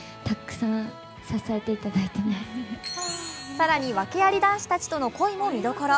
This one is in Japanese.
更に訳あり男子たちとの恋も見どころ。